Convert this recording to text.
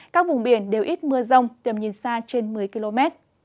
các vùng biển đều ít mưa rông tầm nhìn xa trên một mươi km